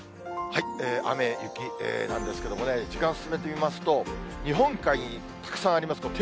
雨、雪なんですけどもね、時間進めてみますと、日本海にたくさんあります